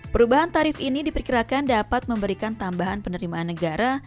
perubahan tarif ini diperkirakan dapat memberikan tambahan penerimaan negara